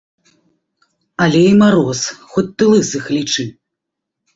Але і мароз, хоць ты лысых лічы!